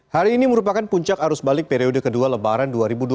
hari ini merupakan puncak arus balik periode kedua lebaran dua ribu dua puluh